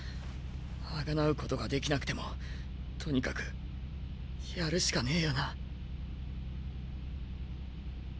贖うことができなくてもとにかくやるしかねぇよな。